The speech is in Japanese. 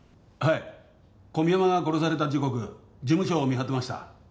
はい小宮山が殺された時刻事務所を見張ってました。